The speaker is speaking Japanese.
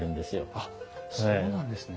あっそうなんですね。